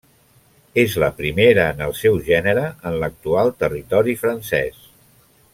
És la primera en el seu gènere en l'actual territori francès.